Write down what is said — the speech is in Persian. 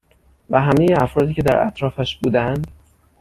و همه ی افرادی که در اطرافش بودند،